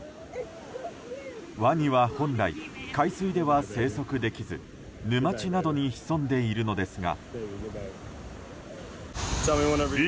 ワニは本来、海水では生息できず沼地などに潜んでいるのですが。